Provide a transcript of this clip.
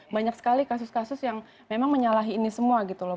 banyak sekali kasus kasus yang memang menyalahi ini semua gitu loh